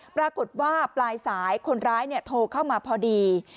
ปรากฏว่าปลายสายคนร้ายโทรเข้ามาพอดี